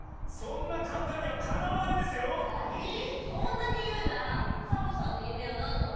そんなにいうならサボさんの夢はなんなの？